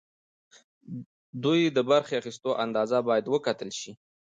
دوی د برخې اخیستلو اندازه باید وکتل شي.